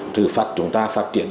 trừ phát chúng ta phát triển